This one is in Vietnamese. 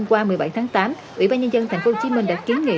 ủy ban nhân dân tp hcm đã kiến nghị